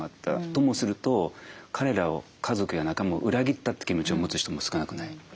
ともすると彼らを家族や仲間を裏切ったって気持ちを持つ人も少なくない。